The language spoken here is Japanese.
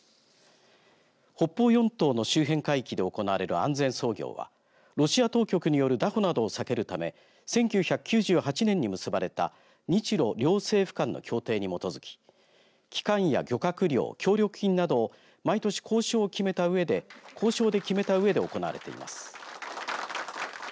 北方四島の周辺海域で行われる安全操業はロシア当局による拿捕などを避けるため１９９８年に結ばれた日ロ両政府間の協定に基づき期間や漁獲量、協力金など毎年、交渉で決めたうえで行われます。